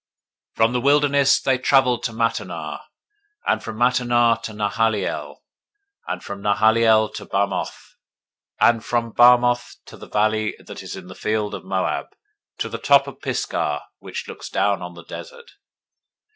From the wilderness [they traveled] to Mattanah; 021:019 and from Mattanah to Nahaliel; and from Nahaliel to Bamoth; 021:020 and from Bamoth to the valley that is in the field of Moab, to the top of Pisgah, which looks down on the desert.